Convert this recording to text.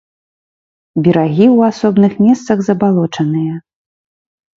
Берагі ў асобных месцах забалочаныя.